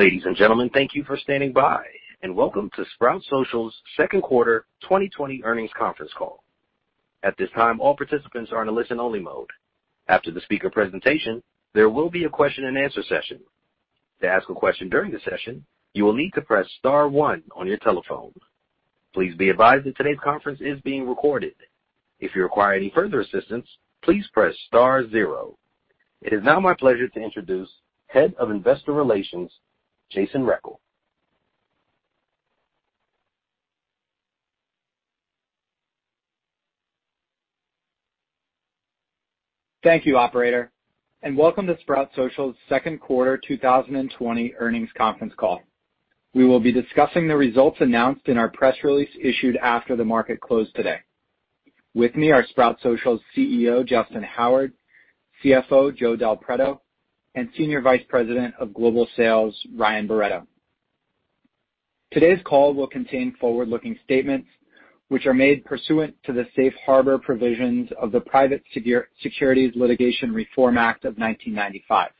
Ladies and gentlemen, thank you for standing by, and welcome to Sprout Social's second quarter 2020 earnings conference call. At this time, all participants are in a listen-only mode. After the speaker presentation, there will be a question-and-answer session. To ask a question during the session, you will need to press star one on your telephone. Please be advised that today's conference is being recorded. If you require any further assistance, please press star zero. It is now my pleasure to introduce Head of Investor Relations, Jason Rechel. Thank you, Operator, and welcome to Sprout Social's second quarter 2020 earnings conference call. We will be discussing the results announced in our press release issued after the market closed today. With me are Sprout Social's CEO, Justyn Howard, CFO, Joe Del Preto, and Senior Vice President of Global Sales, Ryan Barretto. Today's call will contain forward-looking statements which are made pursuant to the safe harbor provisions of the Private Securities Litigation Reform Act of 1995.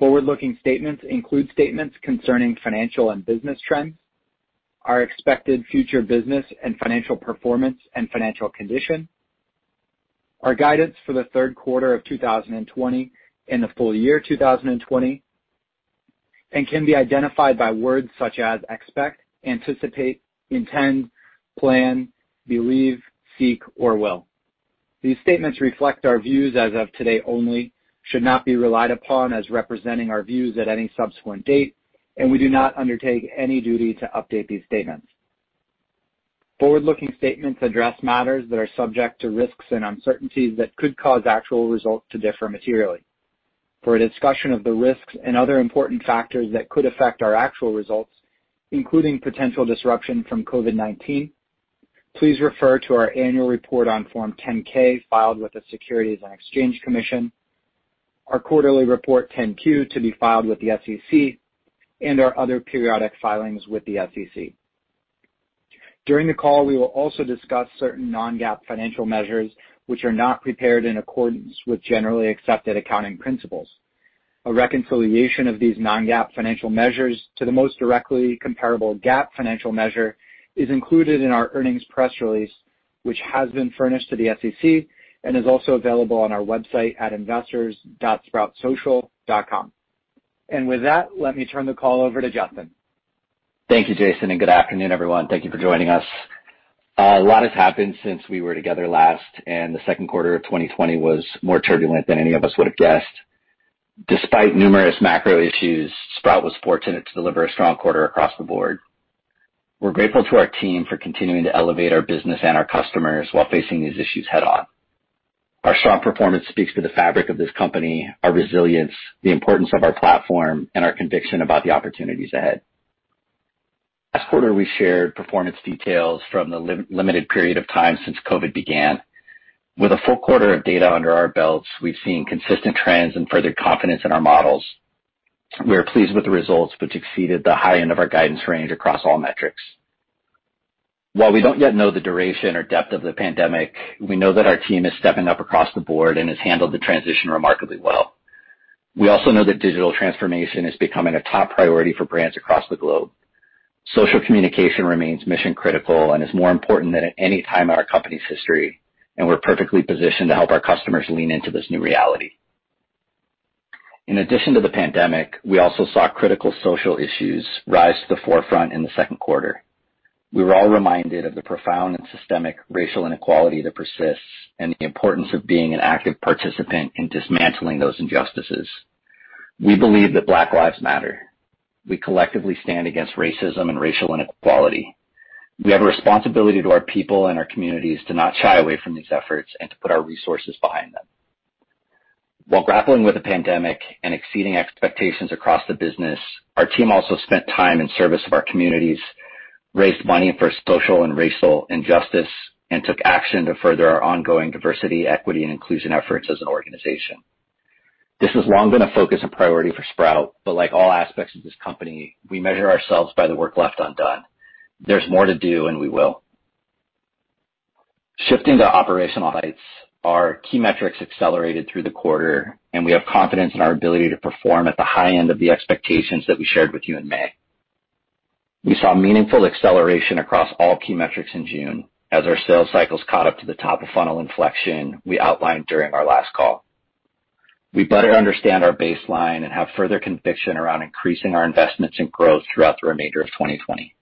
Forward-looking statements include statements concerning financial and business trends, our expected future business and financial performance and financial condition, our guidance for the third quarter of 2020 and the full year 2020, and can be identified by words such as expect, anticipate, intend, plan, believe, seek, or will. These statements reflect our views as of today only, should not be relied upon as representing our views at any subsequent date, and we do not undertake any duty to update these statements. Forward-looking statements address matters that are subject to risks and uncertainties that could cause actual results to differ materially. For a discussion of the risks and other important factors that could affect our actual results, including potential disruption from COVID-19, please refer to our annual report on Form 10-K filed with the Securities and Exchange Commission, our quarterly report 10-Q to be filed with the SEC, and our other periodic filings with the SEC. During the call, we will also discuss certain non-GAAP financial measures which are not prepared in accordance with generally accepted accounting principles. A reconciliation of these non-GAAP financial measures to the most directly comparable GAAP financial measure is included in our earnings press release, which has been furnished to the SEC and is also available on our website at investors.sproutsocial.com. And with that, let me turn the call over to Justyn. Thank you, Jason, and good afternoon, everyone. Thank you for joining us. A lot has happened since we were together last, and the second quarter of 2020 was more turbulent than any of us would have guessed. Despite numerous macro issues, Sprout was fortunate to deliver a strong quarter across the board. We're grateful to our team for continuing to elevate our business and our customers while facing these issues head-on. Our strong performance speaks to the fabric of this company, our resilience, the importance of our platform, and our conviction about the opportunities ahead. Last quarter, we shared performance details from the limited period of time since COVID began. With a full quarter of data under our belts, we've seen consistent trends and further confidence in our models. We are pleased with the results, which exceeded the high end of our guidance range across all metrics. While we don't yet know the duration or depth of the pandemic, we know that our team is stepping up across the board and has handled the transition remarkably well. We also know that digital transformation is becoming a top priority for brands across the globe. Social communication remains mission-critical and is more important than at any time in our company's history, and we're perfectly positioned to help our customers lean into this new reality. In addition to the pandemic, we also saw critical social issues rise to the forefront in the second quarter. We were all reminded of the profound and systemic racial inequality that persists and the importance of being an active participant in dismantling those injustices. We believe that Black lives matter. We collectively stand against racism and racial inequality. We have a responsibility to our people and our communities to not shy away from these efforts and to put our resources behind them. While grappling with the pandemic and exceeding expectations across the business, our team also spent time in service of our communities, raised money for social and racial injustice, and took action to further our ongoing diversity, equity, and inclusion efforts as an organization. This has long been a focus and priority for Sprout, but like all aspects of this company, we measure ourselves by the work left undone. There's more to do, and we will. Shifting to operational heights, our key metrics accelerated through the quarter, and we have confidence in our ability to perform at the high end of the expectations that we shared with you in May. We saw meaningful acceleration across all key metrics in June as our sales cycles caught up to the top of funnel inflection we outlined during our last call. We better understand our baseline and have further conviction around increasing our investments and growth throughout the remainder of 2020.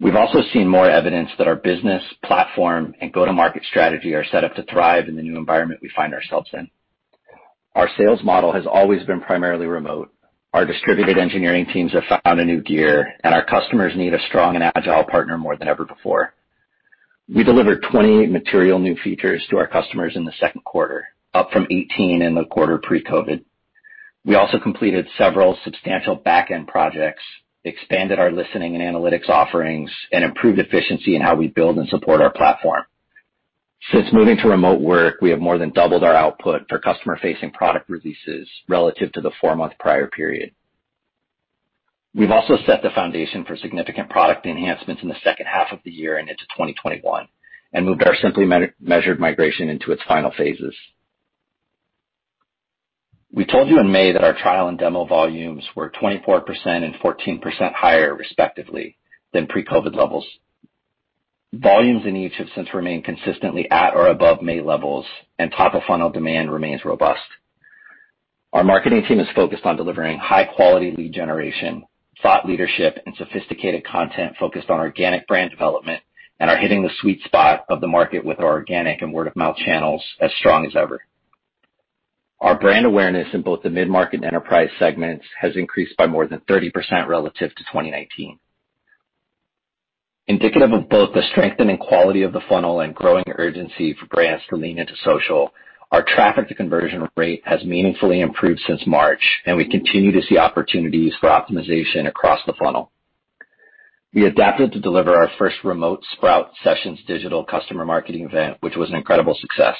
We've also seen more evidence that our business, platform, and go-to-market strategy are set up to thrive in the new environment we find ourselves in. Our sales model has always been primarily remote. Our distributed engineering teams have found a new gear, and our customers need a strong and agile partner more than ever before. We delivered 28 material new features to our customers in the second quarter, up from 18 in the quarter pre-COVID. We also completed several substantial back-end projects, expanded our listening and analytics offerings, and improved efficiency in how we build and support our platform. Since moving to remote work, we have more than doubled our output for customer-facing product releases relative to the four-month prior period. We've also set the foundation for significant product enhancements in the second half of the year and into 2021 and moved our Simply Measured migration into its final phases. We told you in May that our trial and demo volumes were 24% and 14% higher, respectively, than pre-COVID levels. Volumes in each have since remained consistently at or above May levels, and top-of-funnel demand remains robust. Our marketing team is focused on delivering high-quality lead generation, thought leadership, and sophisticated content focused on organic brand development and are hitting the sweet spot of the market with our organic and word-of-mouth channels as strong as ever. Our brand awareness in both the mid-market and enterprise segments has increased by more than 30% relative to 2019. Indicative of both the strengthening quality of the funnel and growing urgency for brands to lean into social, our traffic-to-conversion rate has meaningfully improved since March, and we continue to see opportunities for optimization across the funnel. We adapted to deliver our first remote Sprout Sessions digital customer marketing event, which was an incredible success.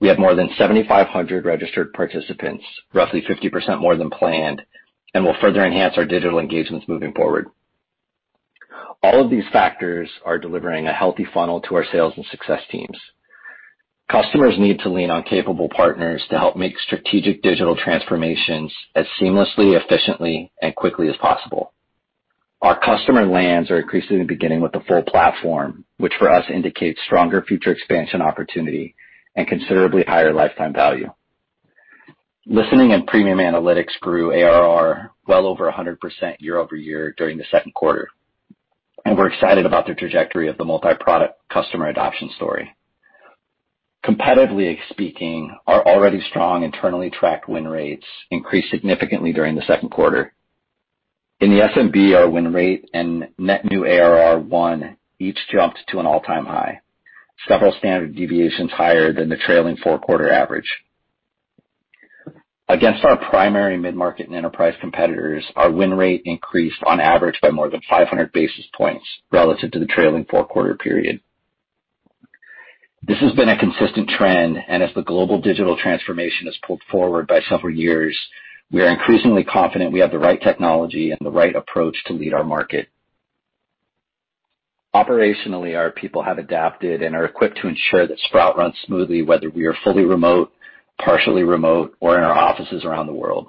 We have more than 7,500 registered participants, roughly 50% more than planned, and will further enhance our digital engagements moving forward. All of these factors are delivering a healthy funnel to our sales and success teams. Customers need to lean on capable partners to help make strategic digital transformations as seamlessly, efficiently, and quickly as possible. Our customer lands are increasingly beginning with the full platform, which for us indicates stronger future expansion opportunity and considerably higher lifetime value. Listening and Premium Analytics grew ARR well over 100% year-over-year during the second quarter, and we're excited about the trajectory of the multi-product customer adoption story. Competitively speaking, our already strong internally tracked win rates increased significantly during the second quarter. In the SMB, our win rate and net new ARR won each jumped to an all-time high, several standard deviations higher than the trailing four-quarter average. Against our primary mid-market and enterprise competitors, our win rate increased on average by more than 500 basis points relative to the trailing four-quarter period. This has been a consistent trend, and as the global digital transformation has pulled forward by several years, we are increasingly confident we have the right technology and the right approach to lead our market. Operationally, our people have adapted and are equipped to ensure that Sprout runs smoothly whether we are fully remote, partially remote, or in our offices around the world.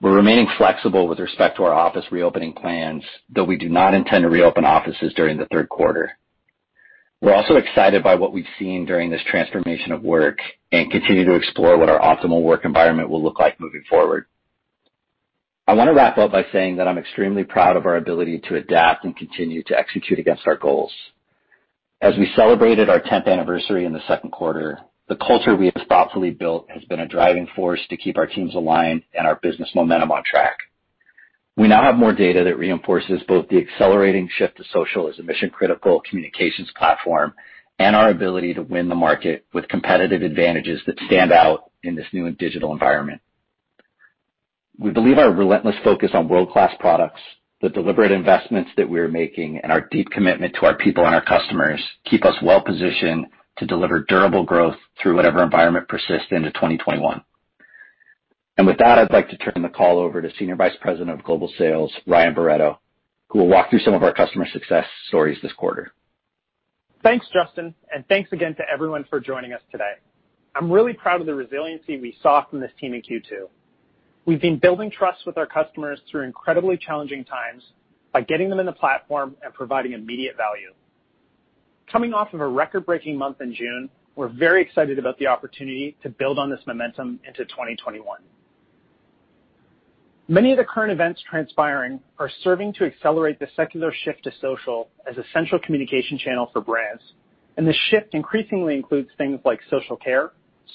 We're remaining flexible with respect to our office reopening plans, though we do not intend to reopen offices during the third quarter. We're also excited by what we've seen during this transformation of work and continue to explore what our optimal work environment will look like moving forward. I want to wrap up by saying that I'm extremely proud of our ability to adapt and continue to execute against our goals. As we celebrated our 10th anniversary in the second quarter, the culture we have thoughtfully built has been a driving force to keep our teams aligned and our business momentum on track. We now have more data that reinforces both the accelerating shift to Social as a mission-critical communications platform and our ability to win the market with competitive advantages that stand out in this new digital environment. We believe our relentless focus on world-class products, the deliberate investments that we are making, and our deep commitment to our people and our customers keep us well-positioned to deliver durable growth through whatever environment persists into 2021. And with that, I'd like to turn the call over to Senior Vice President of Global Sales, Ryan Barretto, who will walk through some of our customer success stories this quarter. Thanks, Justyn, and thanks again to everyone for joining us today. I'm really proud of the resiliency we saw from this team in Q2. We've been building trust with our customers through incredibly challenging times by getting them in the platform and providing immediate value. Coming off of a record-breaking month in June, we're very excited about the opportunity to build on this momentum into 2021. Many of the current events transpiring are serving to accelerate the secular shift to Social as a central communication channel for brands, and the shift increasingly includes things like social care,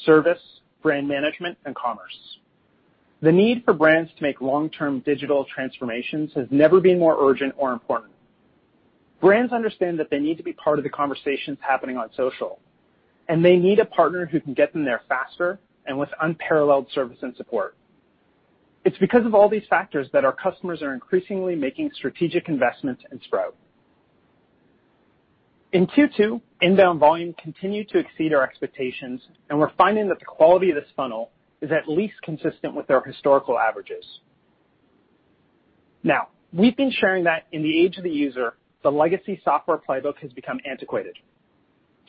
service, brand management, and commerce. The need for brands to make long-term digital transformations has never been more urgent or important. Brands understand that they need to be part of the conversations happening on Social, and they need a partner who can get them there faster and with unparalleled service and support. It's because of all these factors that our customers are increasingly making strategic investments in Sprout. In Q2, inbound volume continued to exceed our expectations, and we're finding that the quality of this funnel is at least consistent with our historical averages. Now, we've been sharing that in the age of the user, the legacy software playbook has become antiquated.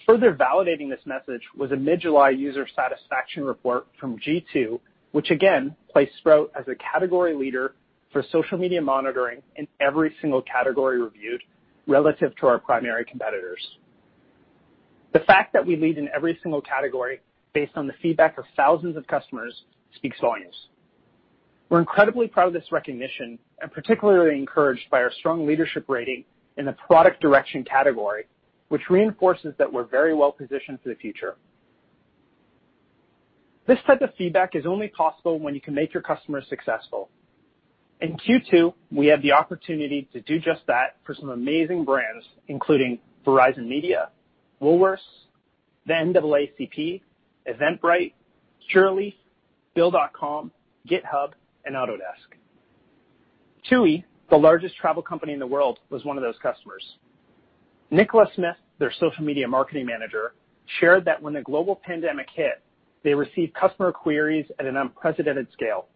Further validating this message was a mid-July user satisfaction report from G2, which again placed Sprout as a category leader for social media monitoring in every single category reviewed relative to our primary competitors. The fact that we lead in every single category based on the feedback of thousands of customers speaks volumes. We're incredibly proud of this recognition and particularly encouraged by our strong leadership rating in the product direction category, which reinforces that we're very well-positioned for the future. This type of feedback is only possible when you can make your customers successful. In Q2, we had the opportunity to do just that for some amazing brands, including Verizon Media, Woolworths, the NAACP, Eventbrite, Pirelli, Build.com, GitHub, and Autodesk. TUI, the largest travel company in the world, was one of those customers. Nicola Smith, their social media marketing manager, shared that when the global pandemic hit, they received customer queries at an unprecedented scale,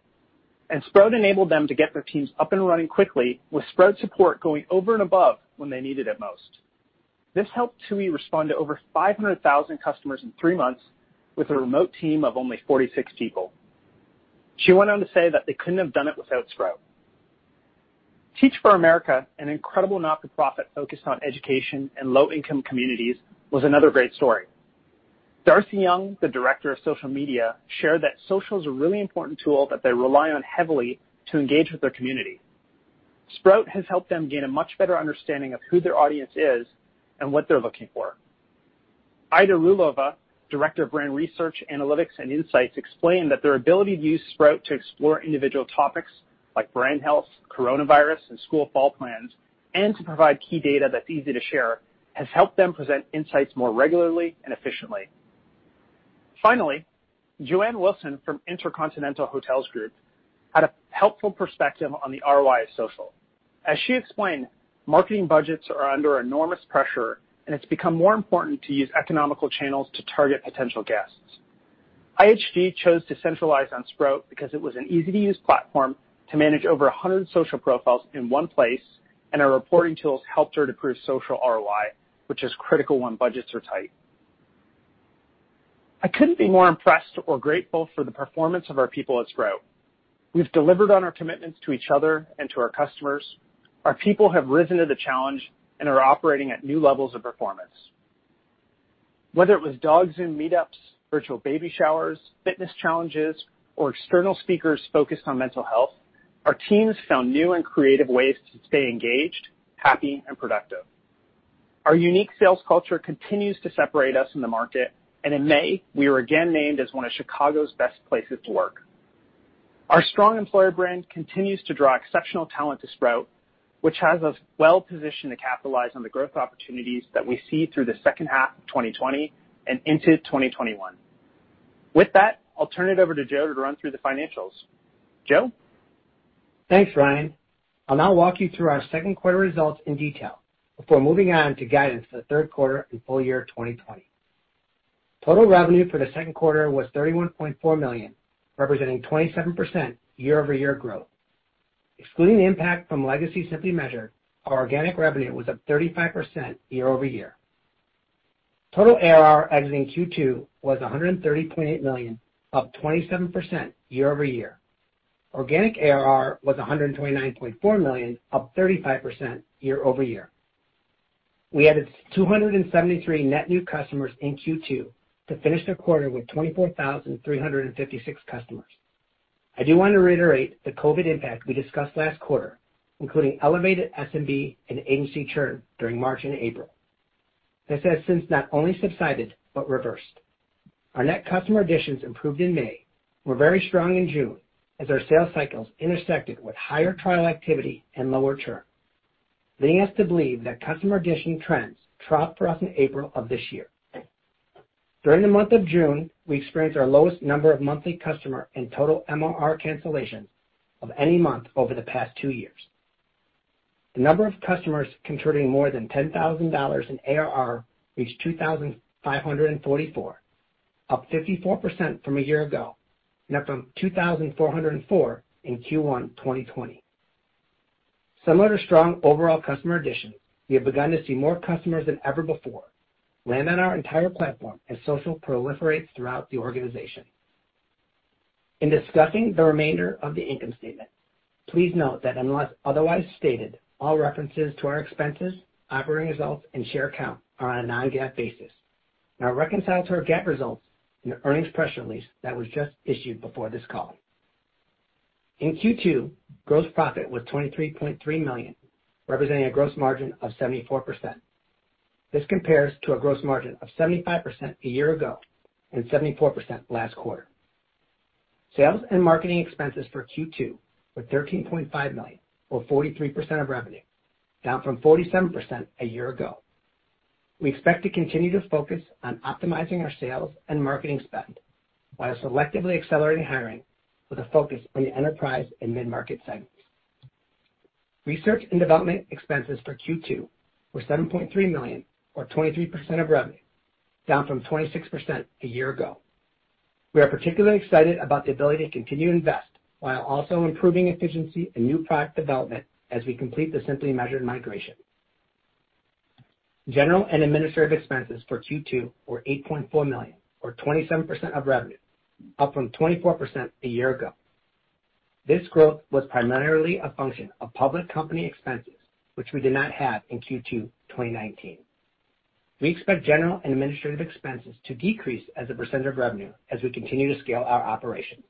and Sprout enabled them to get their teams up and running quickly, with Sprout support going over and above when they needed it most. This helped TUI respond to over 500,000 customers in three months with a remote team of only 46 people. She went on to say that they couldn't have done it without Sprout. Teach For America, an incredible not-for-profit focused on education and low-income communities, was another great story. Darcy Young, the Director of Social Media, shared that Social is a really important tool that they rely on heavily to engage with their community. Sprout has helped them gain a much better understanding of who their audience is and what they're looking for. Adara Hull, Director of Brand Research, Analytics, and Insights, explained that their ability to use Sprout to explore individual topics like brand health, coronavirus, and school fall plans, and to provide key data that's easy to share, has helped them present insights more regularly and efficiently. Finally, Joanna Wilson from InterContinental Hotels Group had a helpful perspective on the ROI of Social. As she explained, marketing budgets are under enormous pressure, and it's become more important to use economical channels to target potential guests. IHG chose to centralize on Sprout because it was an easy-to-use platform to manage over 100 social profiles in one place, and our reporting tools helped her to prove social ROI, which is critical when budgets are tight. I couldn't be more impressed or grateful for the performance of our people at Sprout. We've delivered on our commitments to each other and to our customers. Our people have risen to the challenge and are operating at new levels of performance. Whether it was dog Zoom meetups, virtual baby showers, fitness challenges, or external speakers focused on mental health, our teams found new and creative ways to stay engaged, happy, and productive. Our unique sales culture continues to separate us in the market, and in May, we were again named as one of Chicago's best places to work. Our strong employer brand continues to draw exceptional talent to Sprout, which has us well-positioned to capitalize on the growth opportunities that we see through the second half of 2020 and into 2021. With that, I'll turn it over to Joe to run through the financials. Joe? Thanks, Ryan. I'll now walk you through our second quarter results in detail before moving on to guidance for the third quarter and full year 2020. Total revenue for the second quarter was $31.4 million, representing 27% year-over-year growth. Excluding the impact from legacy Simply Measured, our organic revenue was up 35% year-over-year. Total ARR exiting Q2 was $130.8 million, up 27% year-over-year. Organic ARR was $129.4 million, up 35% year-over-year. We added 273 net new customers in Q2 to finish the quarter with 24,356 customers. I do want to reiterate the COVID impact we discussed last quarter, including elevated SMB and agency churn during March and April. This has since not only subsided but reversed. Our net customer additions improved in May. We're very strong in June as our sales cycles intersected with higher trial activity and lower churn, leading us to believe that customer addition trends troughed for us in April of this year. During the month of June, we experienced our lowest number of monthly customer and total MRR cancellations of any month over the past two years. The number of customers contributing more than $10,000 in ARR reached 2,544, up 54% from a year ago, and up from 2,404 in Q1 2020. Similar to strong overall customer additions, we have begun to see more customers than ever before land on our entire platform as social proliferates throughout the organization. In discussing the remainder of the income statement, please note that unless otherwise stated, all references to our expenses, operating results, and share count are on a non-GAAP basis. Now, reconcile to our GAAP results in the earnings press release that was just issued before this call. In Q2, gross profit was $23.3 million, representing a gross margin of 74%. This compares to a gross margin of 75% a year ago and 74% last quarter. Sales and marketing expenses for Q2 were $13.5 million, or 43% of revenue, down from 47% a year ago. We expect to continue to focus on optimizing our sales and marketing spend while selectively accelerating hiring with a focus on the enterprise and mid-market segments. Research and development expenses for Q2 were $7.3 million, or 23% of revenue, down from 26% a year ago. We are particularly excited about the ability to continue to invest while also improving efficiency and new product development as we complete the Simply Measured migration. General and administrative expenses for Q2 were $8.4 million, or 27% of revenue, up from 24% a year ago. This growth was primarily a function of public company expenses, which we did not have in Q2 2019. We expect general and administrative expenses to decrease as a percent of revenue as we continue to scale our operations.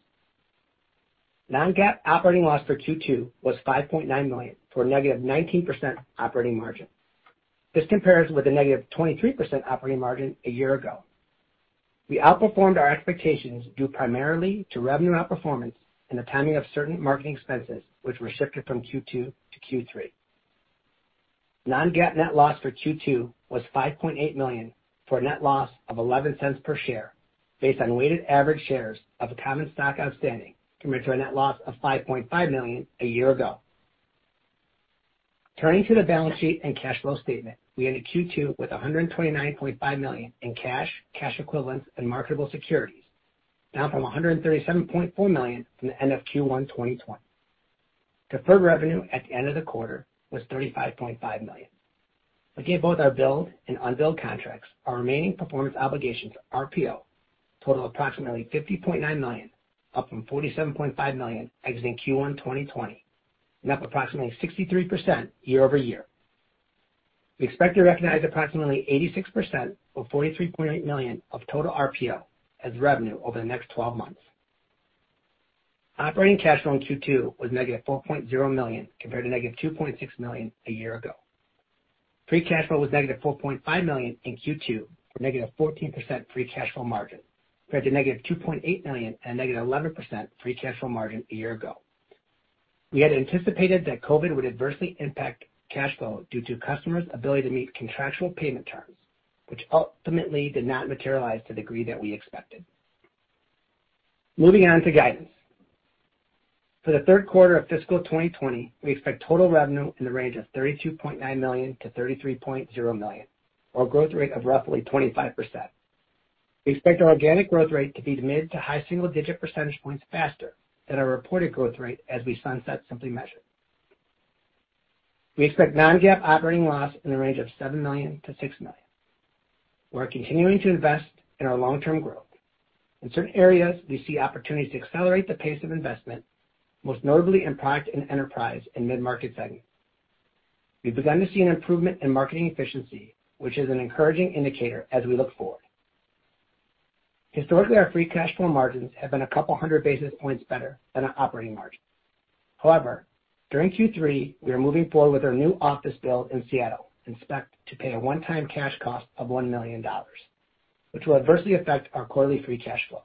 Non-GAAP operating loss for Q2 was $5.9 million for a negative 19% operating margin. This compares with a negative 23% operating margin a year ago. We outperformed our expectations due primarily to revenue outperformance and the timing of certain marketing expenses, which were shifted from Q2 to Q3. Non-GAAP net loss for Q2 was $5.8 million for a net loss of $0.11 per share based on weighted average shares of common stock outstanding compared to a net loss of $5.5 million a year ago. Turning to the balance sheet and cash flow statement, we ended Q2 with $129.5 million in cash, cash equivalents, and marketable securities, down from $137.4 million from the end of Q1 2020. Deferred revenue at the end of the quarter was $35.5 million. Looking at both our billed and unbilled contracts, our remaining performance obligations, RPO, total approximately $50.9 million, up from $47.5 million exiting Q1 2020, and up approximately 63% year-over-year. We expect to recognize approximately 86% or $43.8 million of total RPO as revenue over the next 12 months. Operating cash flow in Q2 was negative $4.0 million compared to negative $2.6 million a year ago. Free cash flow was negative $4.5 million in Q2 for negative 14% free cash flow margin compared to negative $2.8 million and a negative 11% free cash flow margin a year ago. We had anticipated that COVID would adversely impact cash flow due to customers' ability to meet contractual payment terms, which ultimately did not materialize to the degree that we expected. Moving on to guidance. For the third quarter of fiscal 2020, we expect total revenue in the range of $32.9 million-$33.0 million, or a growth rate of roughly 25%. We expect our organic growth rate to be mid to high single-digit percentage points faster than our reported growth rate as we sunset Simply Measured. We expect non-GAAP operating loss in the range of $7 million-$6 million. We're continuing to invest in our long-term growth. In certain areas, we see opportunities to accelerate the pace of investment, most notably in product and enterprise and mid-market segments. We've begun to see an improvement in marketing efficiency, which is an encouraging indicator as we look forward. Historically, our free cash flow margins have been a couple hundred basis points better than our operating margins. However, during Q3, we are moving forward with our new office build in Seattle expected to pay a one-time cash cost of $1 million, which will adversely affect our quarterly free cash flow.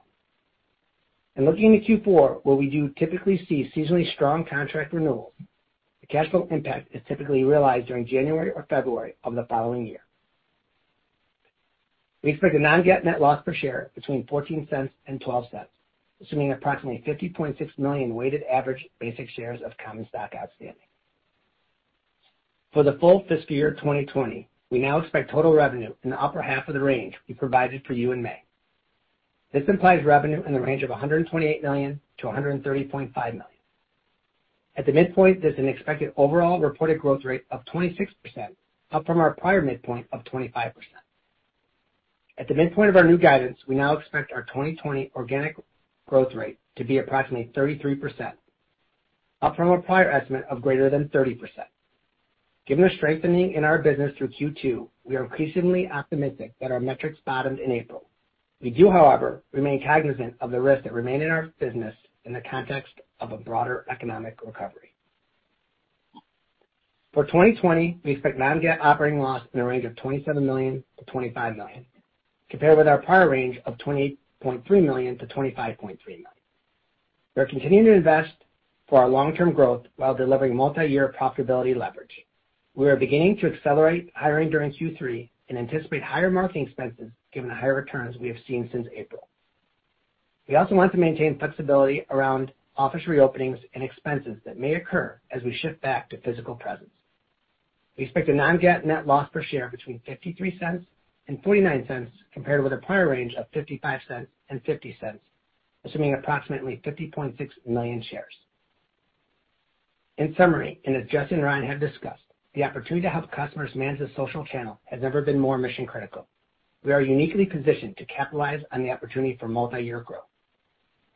In looking into Q4, where we do typically see seasonally strong contract renewals, the cash flow impact is typically realized during January or February of the following year. We expect a non-GAAP net loss per share between $0.14 and $0.12, assuming approximately 50.6 million weighted average basic shares of common stock outstanding. For the full fiscal year 2020, we now expect total revenue in the upper half of the range we provided for you in May. This implies revenue in the range of $128 million-$130.5 million. At the midpoint, there's an expected overall reported growth rate of 26%, up from our prior midpoint of 25%. At the midpoint of our new guidance, we now expect our 2020 organic growth rate to be approximately 33%, up from our prior estimate of greater than 30%. Given the strengthening in our business through Q2, we are increasingly optimistic that our metrics bottomed in April. We do, however, remain cognizant of the risks that remain in our business in the context of a broader economic recovery. For 2020, we expect non-GAAP operating loss in the range of $27 million-$25 million, compared with our prior range of $28.3 million-$25.3 million. We're continuing to invest for our long-term growth while delivering multi-year profitability leverage. We are beginning to accelerate hiring during Q3 and anticipate higher marketing expenses given the higher returns we have seen since April. We also want to maintain flexibility around office reopenings and expenses that may occur as we shift back to physical presence. We expect a non-GAAP net loss per share between $0.53 and $0.49 compared with our prior range of $0.55 and $0.50, assuming approximately 50.6 million shares. In summary, and as Justyn and Ryan have discussed, the opportunity to help customers manage the Social Channel has never been more mission-critical. We are uniquely positioned to capitalize on the opportunity for multi-year growth.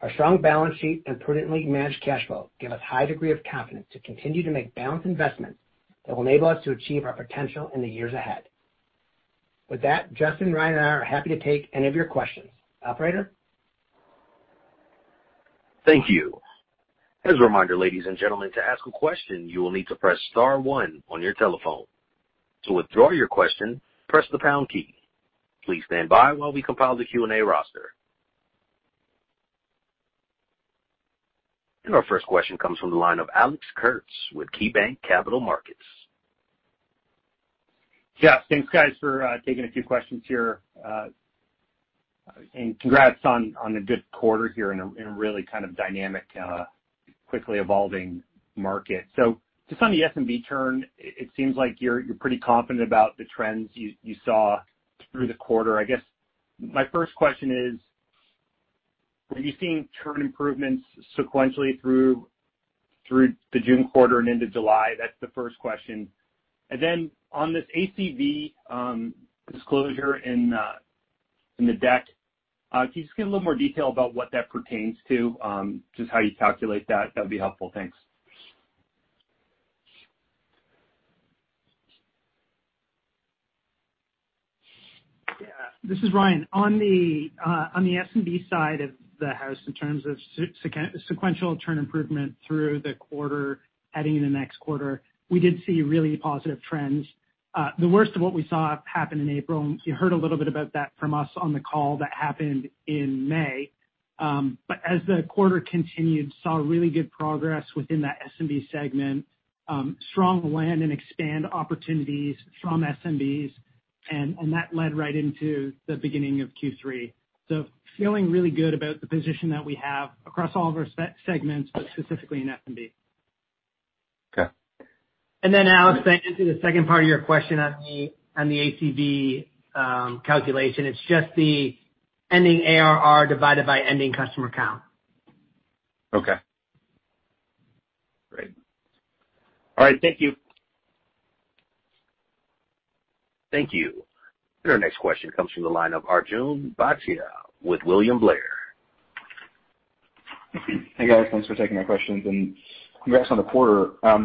Our strong balance sheet and prudently managed cash flow give us a high degree of confidence to continue to make balanced investments that will enable us to achieve our potential in the years ahead. With that, Justyn, Ryan, and I are happy to take any of your questions. Operator? Thank you. As a reminder, ladies and gentlemen, to ask a question, you will need to press Star one on your telephone. To withdraw your question, press the pound key. Please stand by while we compile the Q&A roster, and our first question comes from the line of Alex Kurtz with KeyBanc Capital Markets. Yeah, thanks, guys, for taking a few questions here. And congrats on a good quarter here in a really kind of dynamic, quickly evolving market. So just on the SMB turn, it seems like you're pretty confident about the trends you saw through the quarter. I guess my first question is, were you seeing churn improvements sequentially through the June quarter and into July? That's the first question. And then on this ACV disclosure in the deck, can you just give a little more detail about what that pertains to, just how you calculate that? That would be helpful. Thanks. Yeah. This is Ryan. On the SMB side of the house, in terms of sequential churn improvement through the quarter, adding in the next quarter, we did see really positive trends. The worst of what we saw happened in April. You heard a little bit about that from us on the call that happened in May. But as the quarter continued, we saw really good progress within that SMB segment, strong land and expand opportunities from SMBs, and that led right into the beginning of Q3. So feeling really good about the position that we have across all of our segments, but specifically in SMB. Okay. And then, Alex, to answer the second part of your question on the ACV calculation, it's just the ending ARR divided by ending customer count. Okay. Great. All right. Thank you. Thank you, and our next question comes from the line of Arjun Bhatia with William Blair. Hey, guys. Thanks for taking my questions. And congrats on the quarter. I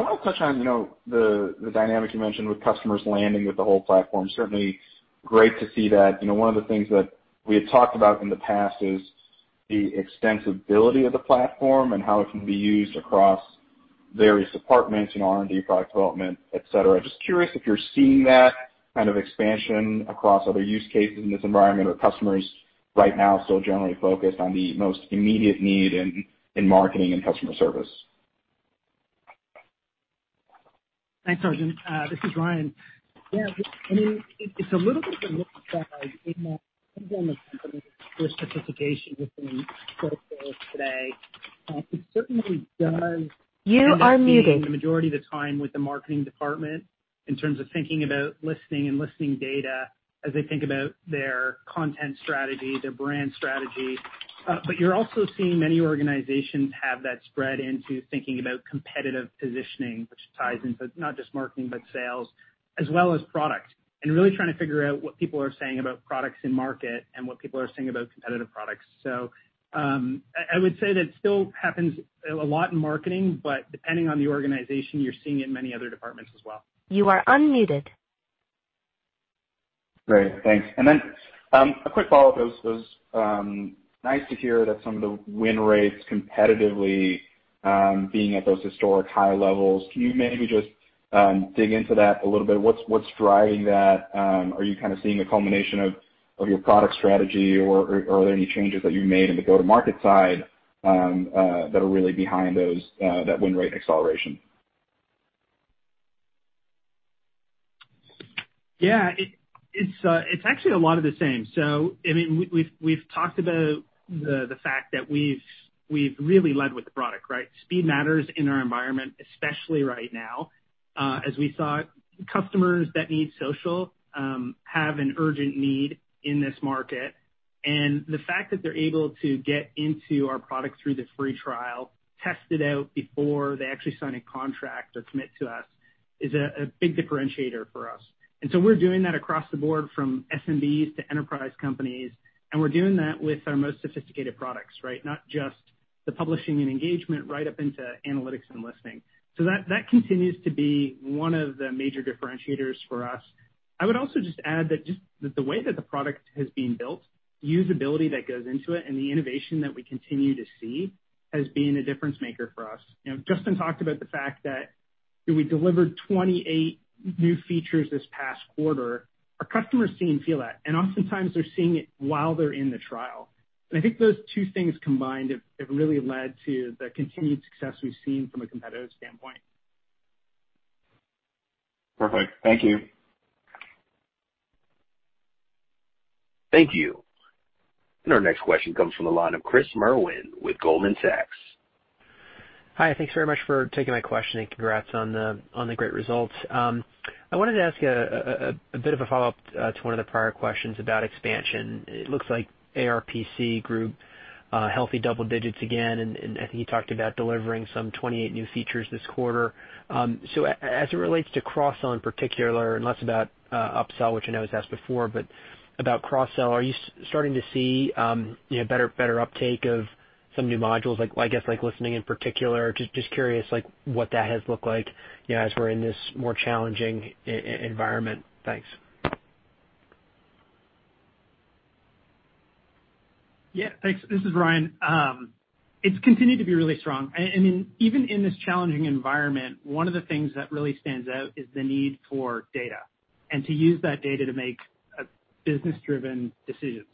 want to touch on the dynamic you mentioned with customers landing with the whole platform. Certainly great to see that. One of the things that we had talked about in the past is the extensibility of the platform and how it can be used across various departments, R&D, product development, etc. Just curious if you're seeing that kind of expansion across other use cases in this environment, or customers right now still generally focused on the most immediate need in marketing and customer service. Thanks, Arjun. This is Ryan. Yeah. I mean, it's a little bit of a mixed bag in that some of the companies focusing on social today, it certainly does. You are muted. Spend the majority of the time with the marketing department in terms of thinking about listening and listening data as they think about their content strategy, their brand strategy. But you're also seeing many organizations have that spread into thinking about competitive positioning, which ties into not just marketing, but sales, as well as product, and really trying to figure out what people are saying about products in market and what people are saying about competitive products. So I would say that still happens a lot in marketing, but depending on the organization, you're seeing it in many other departments as well. You are unmuted. Great. Thanks, and then a quick follow-up. It was nice to hear that some of the win rates competitively being at those historic high levels. Can you maybe just dig into that a little bit? What's driving that? Are you kind of seeing a culmination of your product strategy, or are there any changes that you've made in the go-to-market side that are really behind that win rate acceleration? Yeah. It's actually a lot of the same. So I mean, we've talked about the fact that we've really led with the product, right? Speed matters in our environment, especially right now, as we saw customers that need social have an urgent need in this market. And the fact that they're able to get into our product through the free trial, test it out before they actually sign a contract or commit to us, is a big differentiator for us. And so we're doing that across the board from SMBs to enterprise companies. And we're doing that with our most sophisticated products, right? Not just the publishing and engagement, right up into analytics and listening. So that continues to be one of the major differentiators for us. I would also just add that just the way that the product has been built, the usability that goes into it, and the innovation that we continue to see has been a difference maker for us. Justyn talked about the fact that we delivered 28 new features this past quarter. Our customers seem to feel that, and oftentimes, they're seeing it while they're in the trial, and I think those two things combined have really led to the continued success we've seen from a competitive standpoint. Perfect. Thank you. Thank you. And our next question comes from the line of Chris Merwin with Goldman Sachs. Hi. Thanks very much for taking my question and congrats on the great results. I wanted to ask a bit of a follow-up to one of the prior questions about expansion. It looks like ARPC grew healthy double digits again. And I think you talked about delivering some 28 new features this quarter. So as it relates to cross-sell in particular, and less about upsell, which I know was asked before, but about cross-sell, are you starting to see better uptake of some new modules, I guess, like listening in particular? Just curious what that has looked like as we're in this more challenging environment. Thanks. Yeah. Thanks. This is Ryan. It's continued to be really strong. I mean, even in this challenging environment, one of the things that really stands out is the need for data and to use that data to make business-driven decisions.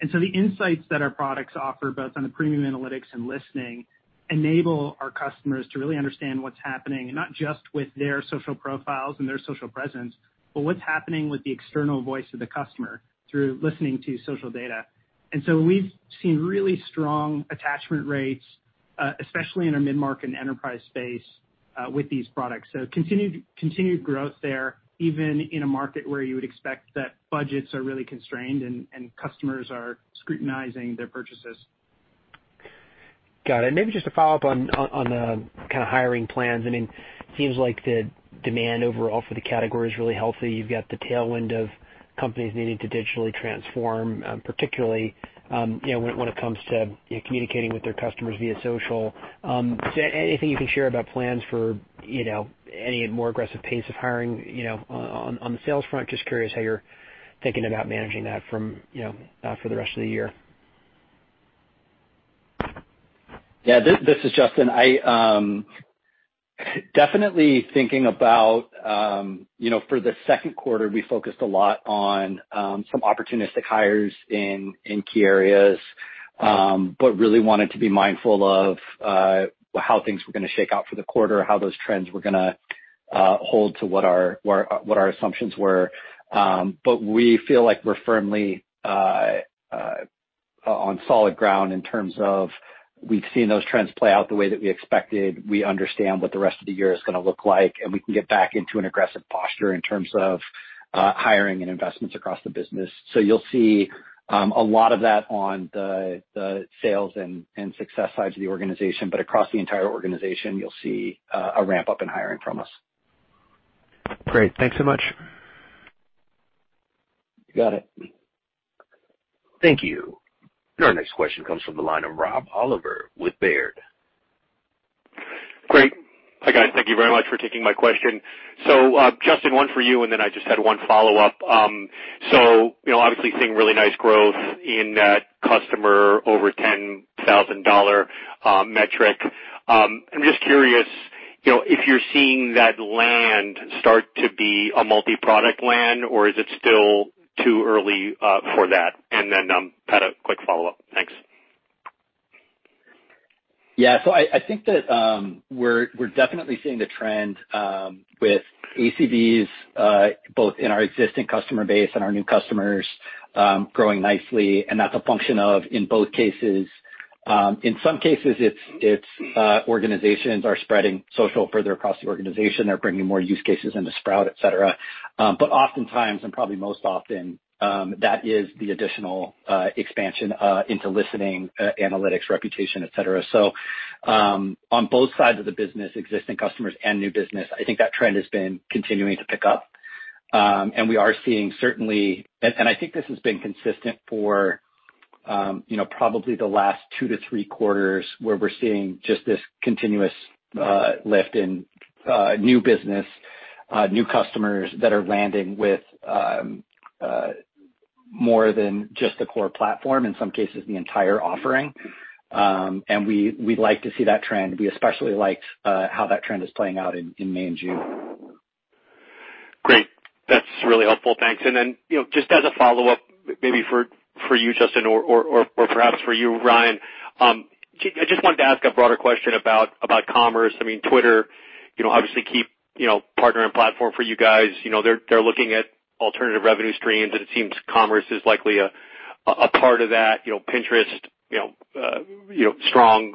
And so the insights that our products offer, both on the Premium Analytics and Listening, enable our customers to really understand what's happening, not just with their social profiles and their social presence, but what's happening with the external voice of the customer through listening to social data. And so we've seen really strong attachment rates, especially in our mid-market and enterprise space with these products. So continued growth there, even in a market where you would expect that budgets are really constrained and customers are scrutinizing their purchases. Got it. Maybe just a follow-up on kind of hiring plans. I mean, it seems like the demand overall for the category is really healthy. You've got the tailwind of companies needing to digitally transform, particularly when it comes to communicating with their customers via social. So anything you can share about plans for any more aggressive pace of hiring on the sales front? Just curious how you're thinking about managing that for the rest of the year? Yeah. This is Justyn. Definitely thinking about for the second quarter, we focused a lot on some opportunistic hires in key areas, but really wanted to be mindful of how things were going to shake out for the quarter, how those trends were going to hold to what our assumptions were. But we feel like we're firmly on solid ground in terms of we've seen those trends play out the way that we expected. We understand what the rest of the year is going to look like, and we can get back into an aggressive posture in terms of hiring and investments across the business. So you'll see a lot of that on the sales and success side of the organization. But across the entire organization, you'll see a ramp-up in hiring from us. Great. Thanks so much. You got it. Thank you. And our next question comes from the line of Rob Oliver with Baird. Great. Hi, guys. Thank you very much for taking my question. So Justyn, one for you, and then I just had one follow-up. So obviously, seeing really nice growth in that customer over $10,000 metric. I'm just curious if you're seeing that land start to be a multi-product land, or is it still too early for that? And then kind of a quick follow-up. Thanks. Yeah. So I think that we're definitely seeing the trend with ACVs, both in our existing customer base and our new customers, growing nicely. And that's a function of, in both cases, in some cases, organizations are spreading Social further across the organization. They're bringing more use cases into Sprout, etc. But oftentimes, and probably most often, that is the additional expansion into listening, analytics, reputation, etc. So on both sides of the business, existing customers and new business, I think that trend has been continuing to pick up. And we are seeing certainly, and I think this has been consistent for probably the last two to three quarters, where we're seeing just this continuous lift in new business, new customers that are landing with more than just the core platform, in some cases, the entire offering. And we'd like to see that trend. We especially liked how that trend is playing out in May and June. Great. That's really helpful. Thanks, and then just as a follow-up, maybe for you, Justyn, or perhaps for you, Ryan, I just wanted to ask a broader question about commerce. I mean, Twitter, obviously, key partnering platform for you guys. They're looking at alternative revenue streams, and it seems commerce is likely a part of that. Pinterest, strong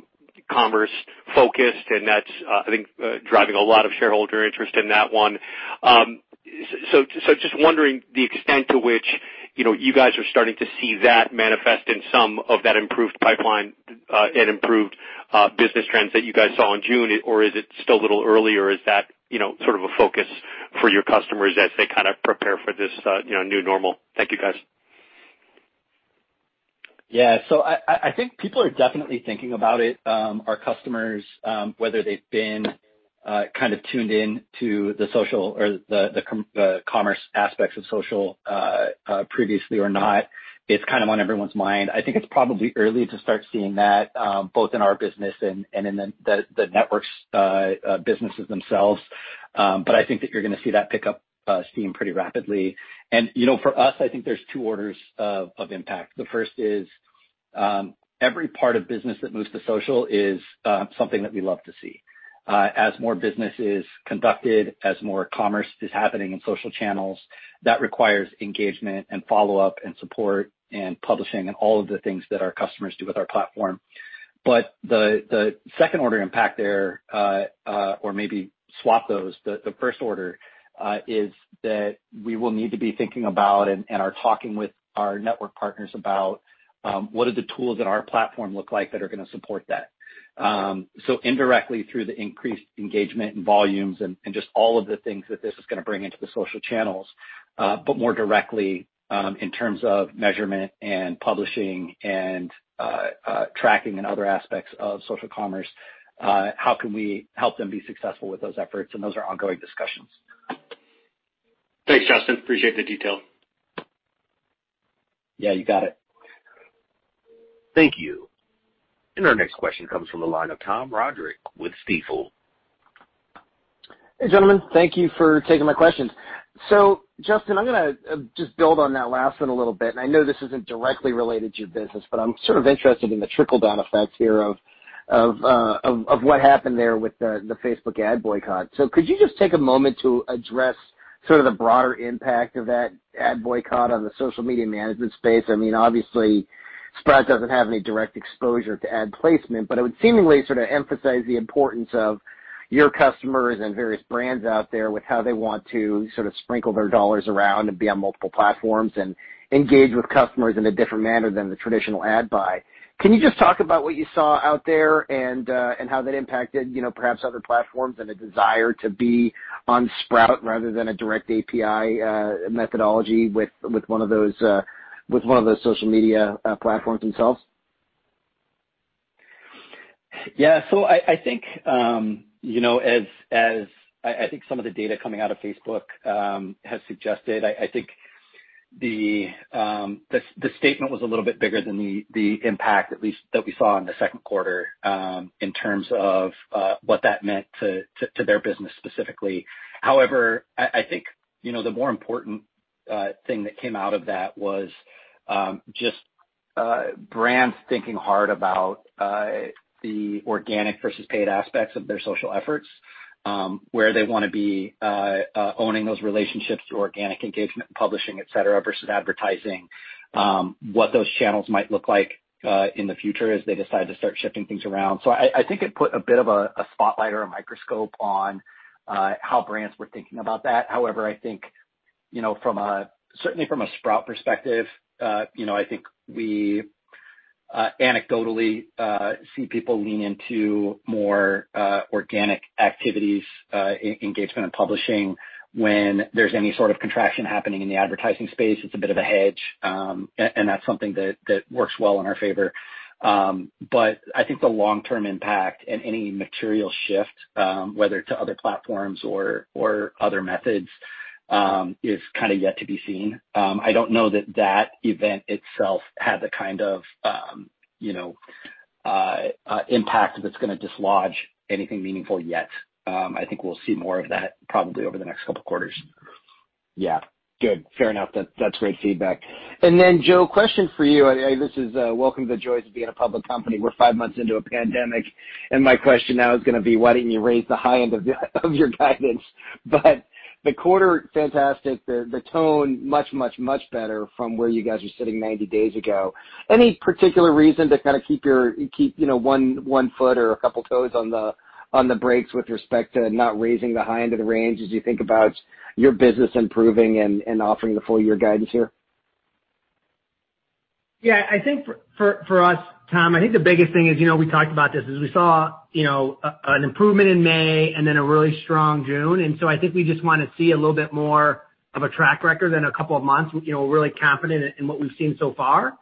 commerce focused, and that's, I think, driving a lot of shareholder interest in that one, so just wondering the extent to which you guys are starting to see that manifest in some of that improved pipeline and improved business trends that you guys saw in June, or is it still a little early, or is that sort of a focus for your customers as they kind of prepare for this new normal? Thank you, guys. Yeah. So I think people are definitely thinking about it. Our customers, whether they've been kind of tuned into the social or the commerce aspects of social previously or not, it's kind of on everyone's mind. I think it's probably early to start seeing that, both in our business and in the network's businesses themselves. But I think that you're going to see that pick up steam pretty rapidly. And for us, I think there's two orders of impact. The first is every part of business that moves to social is something that we love to see. As more business is conducted, as more commerce is happening in social channels, that requires engagement and follow-up and support and publishing and all of the things that our customers do with our platform. But the second-order impact there, or maybe swap those, the first order, is that we will need to be thinking about and are talking with our network partners about what do the tools in our platform look like that are going to support that. So indirectly, through the increased engagement and volumes and just all of the things that this is going to bring into the Social channels, but more directly in terms of measurement and publishing and tracking and other aspects of Social commerce, how can we help them be successful with those efforts? And those are ongoing discussions. Thanks, Justyn. Appreciate the detail. Yeah. You got it. Thank you. And our next question comes from the line of Tom Rodrick with Stifel. Hey, gentlemen. Thank you for taking my questions. So Justyn, I'm going to just build on that last one a little bit. And I know this isn't directly related to your business, but I'm sort of interested in the trickle-down effect here of what happened there with the Facebook ad boycott. So could you just take a moment to address sort of the broader impact of that ad boycott on the social media management space? I mean, obviously, Sprout doesn't have any direct exposure to ad placement, but it would seemingly sort of emphasize the importance of your customers and various brands out there with how they want to sort of sprinkle their dollars around and be on multiple platforms and engage with customers in a different manner than the traditional ad buy. Can you just talk about what you saw out there and how that impacted perhaps other platforms and a desire to be on Sprout rather than a direct API methodology with one of those social media platforms themselves? Yeah. So I think as some of the data coming out of Facebook has suggested, I think the statement was a little bit bigger than the impact, at least, that we saw in the second quarter in terms of what that meant to their business specifically. However, I think the more important thing that came out of that was just brands thinking hard about the organic versus paid aspects of their social efforts, where they want to be owning those relationships through organic engagement and publishing, etc., versus advertising, what those channels might look like in the future as they decide to start shifting things around. So I think it put a bit of a spotlight or a microscope on how brands were thinking about that. However, I think certainly from a Sprout perspective, I think we anecdotally see people lean into more organic activities, engagement, and publishing when there's any sort of contraction happening in the advertising space. It's a bit of a hedge, and that's something that works well in our favor. But I think the long-term impact and any material shift, whether to other platforms or other methods, is kind of yet to be seen. I don't know that that event itself had the kind of impact that's going to dislodge anything meaningful yet. I think we'll see more of that probably over the next couple of quarters. Yeah. Good. Fair enough. That's great feedback. And then, Joe, question for you. This is welcome to the joys of being a public company. We're five months into a pandemic, and my question now is going to be, why didn't you raise the high end of your guidance, but the quarter, fantastic. The tone, much, much, much better from where you guys were sitting 90 days ago. Any particular reason to kind of keep one foot or a couple of toes on the brakes with respect to not raising the high end of the range as you think about your business improving and offering the full-year guidance here? Yeah. I think for us, Tom, I think the biggest thing is we talked about this, is we saw an improvement in May and then a really strong June. And so I think we just want to see a little bit more of a track record than a couple of months. We're really confident in what we've seen so far.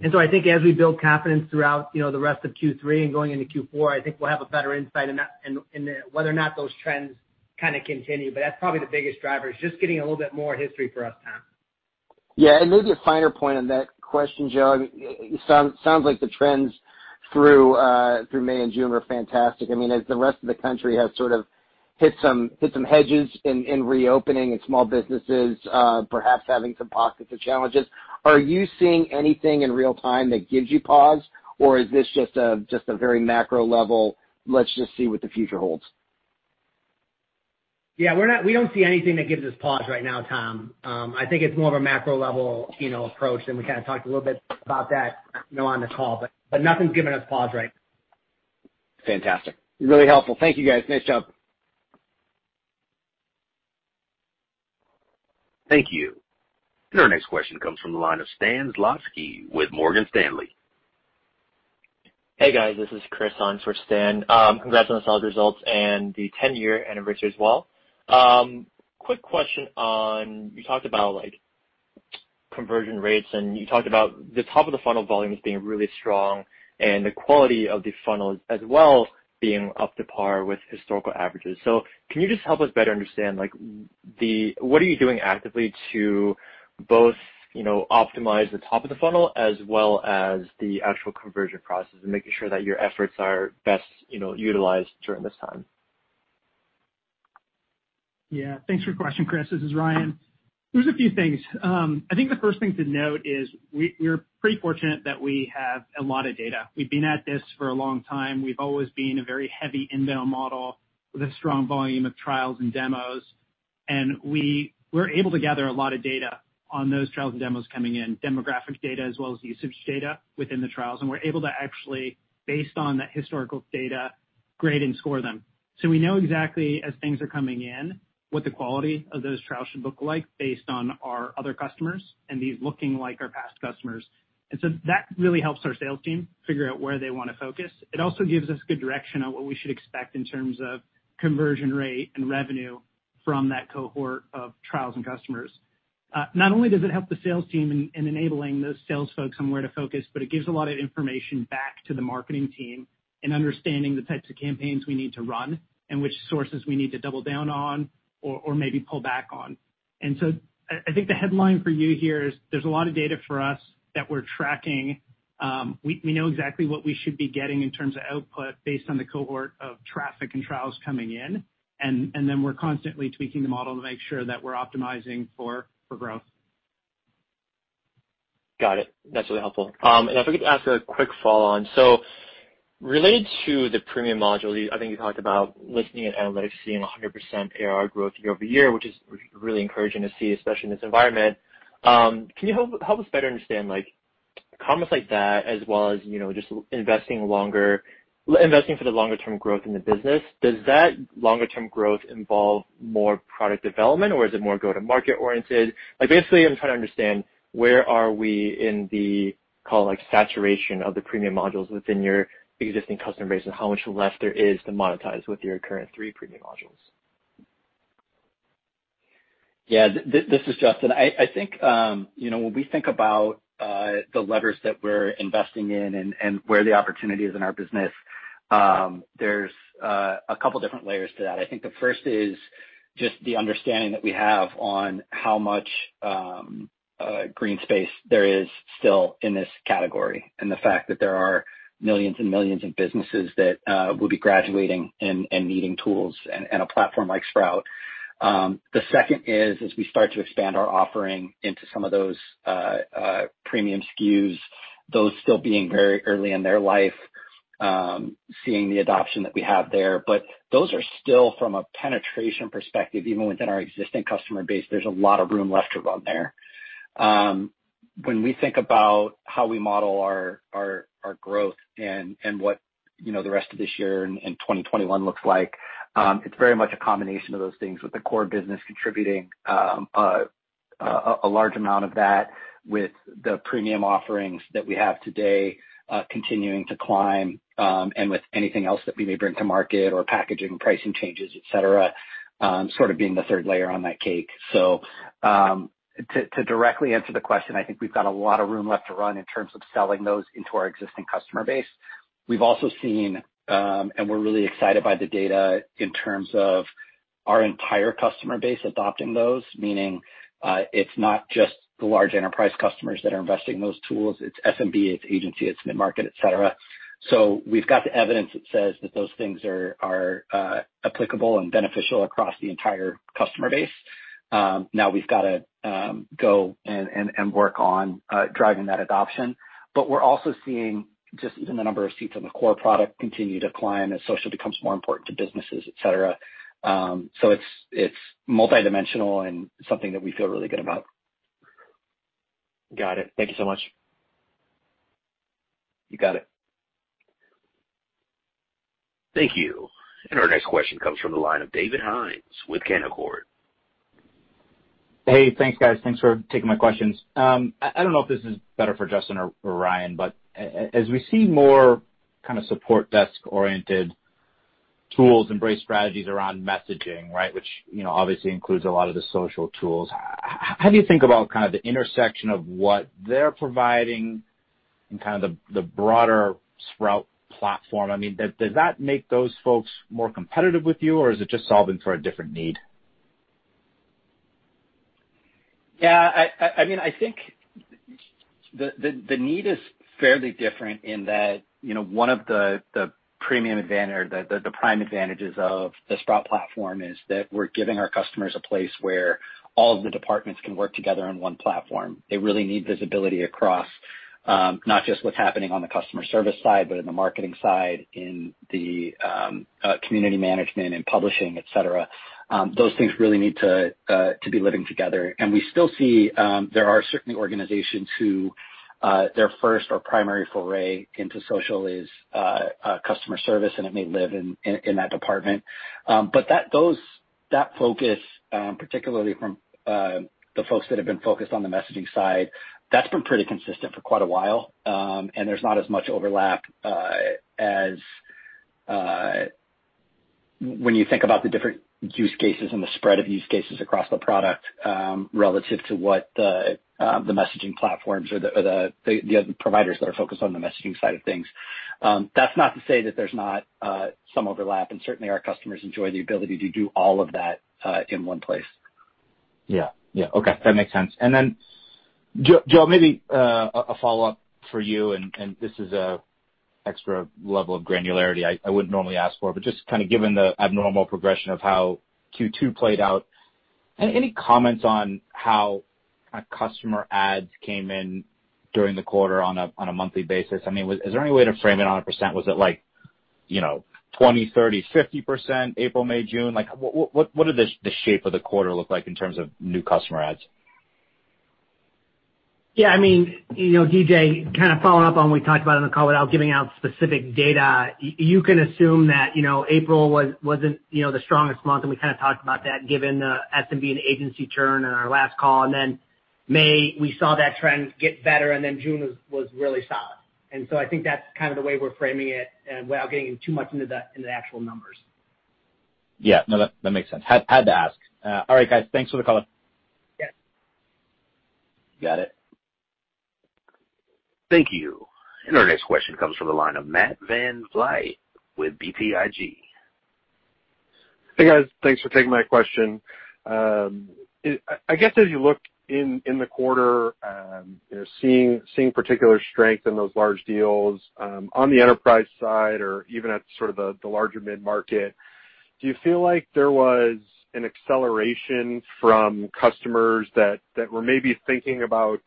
And so I think as we build confidence throughout the rest of Q3 and going into Q4, I think we'll have a better insight in whether or not those trends kind of continue. But that's probably the biggest driver, is just getting a little bit more history for us, Tom. Yeah. And maybe a finer point on that question, Joe. I mean, it sounds like the trends through May and June were fantastic. I mean, as the rest of the country has sort of hit some hedges in reopening and small businesses perhaps having some pockets of challenges, are you seeing anything in real time that gives you pause, or is this just a very macro level, "Let's just see what the future holds"? Yeah. We don't see anything that gives us pause right now, Tom. I think it's more of a macro level approach. And we kind of talked a little bit about that on the call, but nothing's giving us pause right now. Fantastic. Really helpful. Thank you, guys. Nice job. Thank you. And our next question comes from the line of Stan Zlotsky with Morgan Stanley. Hey, guys. This is Chris on for Stand. Congrats on the sales results and the 10-year anniversary as well. Quick question on you talked about conversion rates, and you talked about the top of the funnel volume is being really strong and the quality of the funnel as well being up to par with historical averages. So can you just help us better understand what are you doing actively to both optimize the top of the funnel as well as the actual conversion process and making sure that your efforts are best utilized during this time? Yeah. Thanks for your question, Chris. This is Ryan. There's a few things. I think the first thing to note is we're pretty fortunate that we have a lot of data. We've been at this for a long time. We've always been a very heavy inbound model with a strong volume of trials and demos. And we're able to gather a lot of data on those trials and demos coming in, demographic data as well as usage data within the trials. And we're able to actually, based on that historical data, grade and score them. So we know exactly, as things are coming in, what the quality of those trials should look like based on our other customers and these looking like our past customers. And so that really helps our sales team figure out where they want to focus. It also gives us good direction on what we should expect in terms of conversion rate and revenue from that cohort of trials and customers. Not only does it help the sales team in enabling those sales folks on where to focus, but it gives a lot of information back to the marketing team in understanding the types of campaigns we need to run and which sources we need to double down on or maybe pull back on. And so I think the headline for you here is there's a lot of data for us that we're tracking. We know exactly what we should be getting in terms of output based on the cohort of traffic and trials coming in. And then we're constantly tweaking the model to make sure that we're optimizing for growth. Got it. That's really helpful. And I forgot to ask a quick follow-on. So related to the premium module, I think you talked about listening and analytics seeing 100% ARR growth year over year, which is really encouraging to see, especially in this environment. Can you help us better understand comments like that as well as just investing for the longer-term growth in the business? Does that longer-term growth involve more product development, or is it more go-to-market oriented? Basically, I'm trying to understand where are we in the, call it, saturation of the premium modules within your existing customer base and how much left there is to monetize with your current three premium modules? Yeah. This is Justyn. I think when we think about the levers that we're investing in and where the opportunity is in our business, there's a couple of different layers to that. I think the first is just the understanding that we have on how much green space there is still in this category and the fact that there are millions and millions of businesses that will be graduating and needing tools and a platform like Sprout. The second is, as we start to expand our offering into some of those premium SKUs, those still being very early in their life, seeing the adoption that we have there. But those are still, from a penetration perspective, even within our existing customer base, there's a lot of room left to run there. When we think about how we model our growth and what the rest of this year and 2021 looks like, it's very much a combination of those things with the core business contributing a large amount of that with the premium offerings that we have today continuing to climb and with anything else that we may bring to market or packaging and pricing changes, etc., sort of being the third layer on that cake. So to directly answer the question, I think we've got a lot of room left to run in terms of selling those into our existing customer base. We've also seen, and we're really excited by the data in terms of our entire customer base adopting those, meaning it's not just the large enterprise customers that are investing in those tools. It's SMB. It's agency. It's mid-market, etc. So we've got the evidence that says that those things are applicable and beneficial across the entire customer base. Now we've got to go and work on driving that adoption. But we're also seeing just even the number of seats on the core product continue to climb as social becomes more important to businesses, etc. So it's multidimensional and something that we feel really good about. Got it. Thank you so much. You got it. Thank you. And our next question comes from the line of David Hynes with Canaccord Genuity. Hey, thanks, guys. Thanks for taking my questions. I don't know if this is better for Justyn or Ryan, but as we see more kind of support desk-oriented tools embrace strategies around messaging, right, which obviously includes a lot of the social tools, how do you think about kind of the intersection of what they're providing and kind of the broader Sprout platform? I mean, does that make those folks more competitive with you, or is it just solving for a different need? Yeah. I mean, I think the need is fairly different in that one of the premium advantages or the prime advantages of the Sprout platform is that we're giving our customers a place where all of the departments can work together on one platform. They really need visibility across not just what's happening on the customer service side, but in the marketing side, in the community management and publishing, etc. Those things really need to be living together, and we still see there are certainly organizations who their first or primary foray into Social is customer service, and it may live in that department, but that focus, particularly from the folks that have been focused on the messaging side, that's been pretty consistent for quite a while, and there's not as much overlap as when you think about the different use cases and the spread of use cases across the product relative to what the messaging platforms or the providers that are focused on the messaging side of things. That's not to say that there's not some overlap, and certainly, our customers enjoy the ability to do all of that in one place. Yeah. Yeah. Okay. That makes sense. And then, Joe, maybe a follow-up for you, and this is an extra level of granularity I wouldn't normally ask for, but just kind of given the abnormal progression of how Q2 played out, any comments on how customer adds came in during the quarter on a monthly basis? I mean, is there any way to frame it on a percent? Was it 20%, 30%, 50%, April, May, June? What did the shape of the quarter look like in terms of new customer adds? Yeah. I mean, DJ, kind of following up on what we talked about on the call without giving out specific data, you can assume that April wasn't the strongest month. And we kind of talked about that given the SMB and agency churn in our last call. And then May, we saw that trend get better, and then June was really solid. And so I think that's kind of the way we're framing it without getting too much into the actual numbers. Yeah. No, that makes sense. Had to ask. All right, guys. Thanks for the call. Yep. Got it. Thank you. And our next question comes from the line of Matt VanVliet with BTIG. Hey, guys. Thanks for taking my question. I guess as you look in the quarter, seeing particular strength in those large deals on the enterprise side or even at sort of the larger mid-market, do you feel like there was an acceleration from customers that were maybe thinking about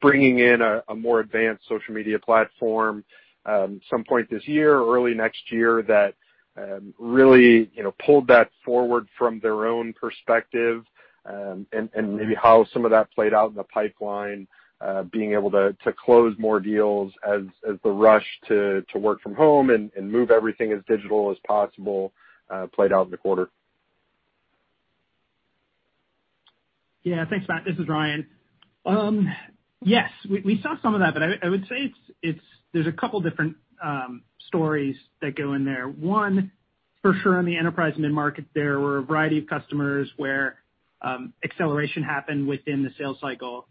bringing in a more advanced social media platform at some point this year or early next year that really pulled that forward from their own perspective and maybe how some of that played out in the pipeline, being able to close more deals as the rush to work from home and move everything as digital as possible played out in the quarter? Yeah. Thanks, Matt. This is Ryan. Yes, we saw some of that, but I would say there's a couple of different stories that go in there. One, for sure, in the enterprise mid-market, there were a variety of customers where acceleration happened within the sales cycle.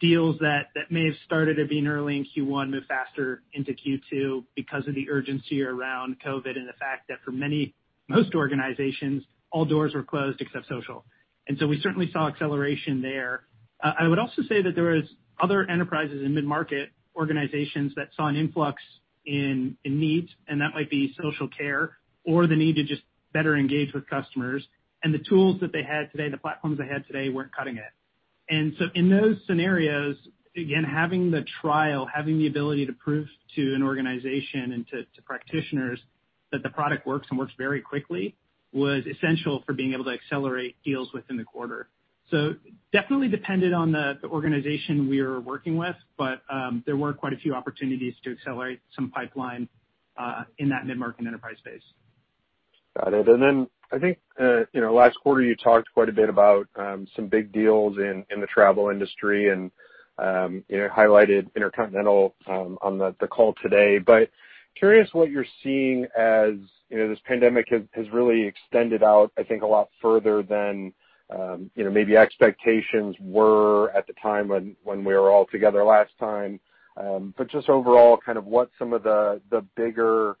Deals that may have started to be in early in Q1 moved faster into Q2 because of the urgency around COVID and the fact that for most organizations, all doors were closed except social. And so we certainly saw acceleration there. I would also say that there were other enterprises in mid-market organizations that saw an influx in needs, and that might be social care or the need to just better engage with customers. And the tools that they had today, the platforms they had today, weren't cutting it. And so in those scenarios, again, having the trial, having the ability to prove to an organization and to practitioners that the product works and works very quickly was essential for being able to accelerate deals within the quarter. So definitely depended on the organization we were working with, but there were quite a few opportunities to accelerate some pipeline in that mid-market enterprise space. Got it. And then I think last quarter, you talked quite a bit about some big deals in the travel industry and highlighted InterContinental on the call today. But curious what you're seeing as this pandemic has really extended out, I think, a lot further than maybe expectations were at the time when we were all together last time. But just overall, kind of what some of the bigger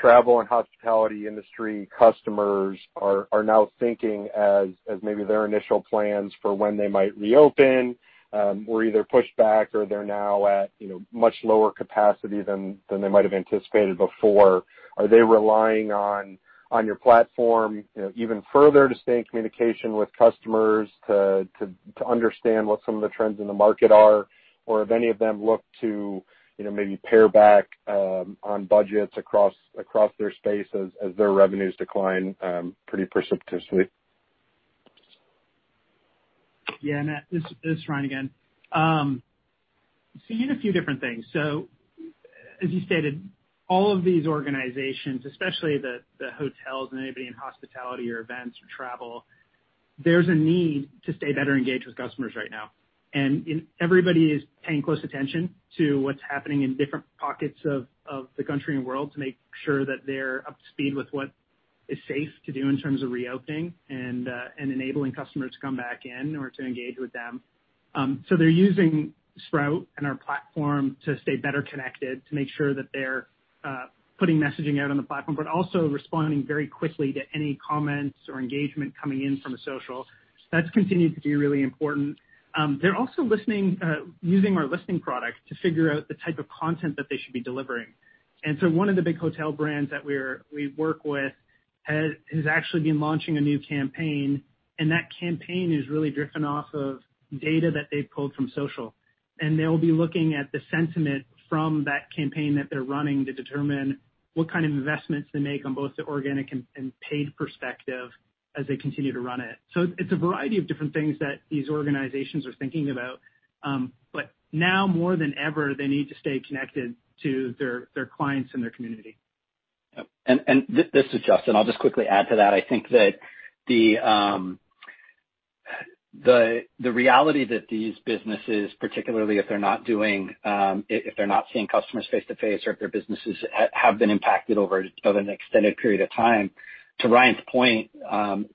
travel and hospitality industry customers are now thinking as maybe their initial plans for when they might reopen or either push back or they're now at much lower capacity than they might have anticipated before. Are they relying on your platform even further to stay in communication with customers to understand what some of the trends in the market are? Or have any of them looked to maybe pare back on budgets across their space as their revenues decline pretty precipitously? Yeah. This is Ryan again. Seeing a few different things. So as you stated, all of these organizations, especially the hotels and anybody in hospitality or events or travel, there's a need to stay better engaged with customers right now. And everybody is paying close attention to what's happening in different pockets of the country and world to make sure that they're up to speed with what is safe to do in terms of reopening and enabling customers to come back in or to engage with them. So they're using Sprout and our platform to stay better connected to make sure that they're putting messaging out on the platform, but also responding very quickly to any comments or engagement coming in from social. That's continued to be really important. They're also using our listening product to figure out the type of content that they should be delivering. One of the big hotel brands that we work with has actually been launching a new campaign, and that campaign is really driven off of data that they've pulled from social. They'll be looking at the sentiment from that campaign that they're running to determine what kind of investments they make on both the organic and paid perspective as they continue to run it. It's a variety of different things that these organizations are thinking about. Now more than ever, they need to stay connected to their clients and their community. Yep. And this is Justyn. I'll just quickly add to that. I think that the reality that these businesses, particularly if they're not seeing customers face-to-face or if their businesses have been impacted over an extended period of time, to Ryan's point,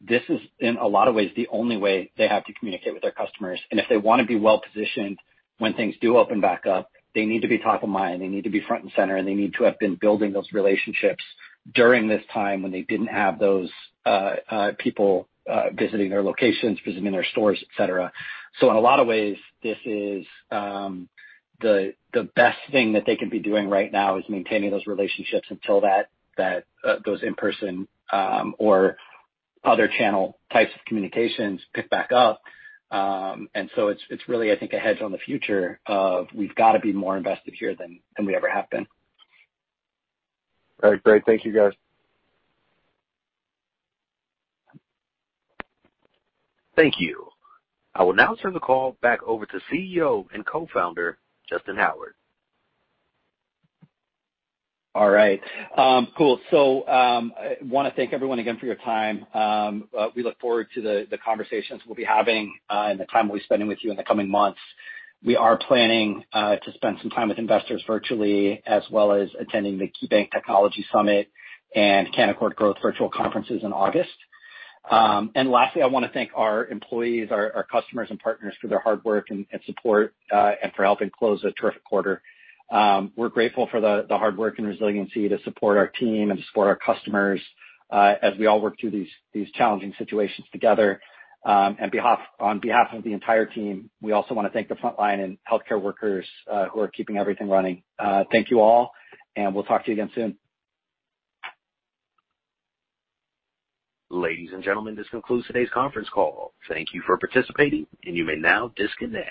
this is in a lot of ways the only way they have to communicate with their customers. And if they want to be well-positioned when things do open back up, they need to be top of mind. They need to be front and center, and they need to have been building those relationships during this time when they didn't have those people visiting their locations, visiting their stores, etc. So in a lot of ways, this is the best thing that they can be doing right now is maintaining those relationships until those in-person or other channel types of communications pick back up. And so it's really, I think, a hedge on the future of we've got to be more invested here than we ever have been. All right. Great. Thank you, guys. Thank you. I will now turn the call back over to CEO and Co-Founder Justyn Howard. All right. Cool. So I want to thank everyone again for your time. We look forward to the conversations we'll be having and the time we'll be spending with you in the coming months. We are planning to spend some time with investors virtually as well as attending the KeyBanc Technology Summit and Canaccord Growth Virtual Conferences in August. And lastly, I want to thank our employees, our customers, and partners for their hard work and support and for helping close a terrific quarter. We're grateful for the hard work and resiliency to support our team and to support our customers as we all work through these challenging situations together. And on behalf of the entire team, we also want to thank the frontline and healthcare workers who are keeping everything running. Thank you all, and we'll talk to you again soon. Ladies and gentlemen, this concludes today's conference call. Thank you for participating, and you may now disconnect.